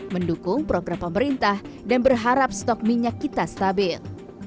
mendukung program pemerintah dan berharap stok minyak kita stabil